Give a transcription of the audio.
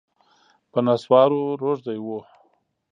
په نسوارو روږدی و